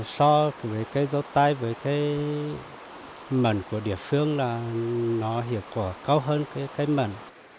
so với cây dâu tây với cái mẩn của địa phương là nó hiệu quả cao hơn cái mẩn